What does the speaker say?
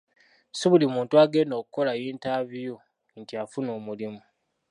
Si buli muntu agenda okukola yintaviyu nti afuna omulimu.